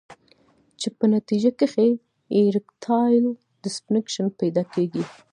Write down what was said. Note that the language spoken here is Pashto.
چې پۀ نتېجه کښې ايريکټائل ډسفنکشن پېدا کيږي